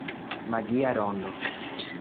Magia rondo.